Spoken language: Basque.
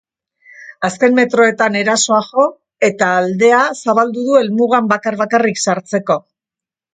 Azken metroetan erasoa jo eta aldea zabaldu du helmugan bakar-bakarrik sartzeko.